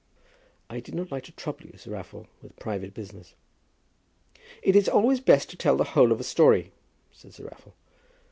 "I did not like to trouble you, Sir Raffle, with private business." "It is always best to tell the whole of a story," said Sir Raffle.